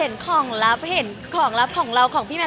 เราไม่ได้ได้ว่ามันได้เห็นของลับของเราของพี่มาน